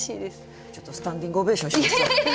ちょっとスタンディングオベーションしましょう。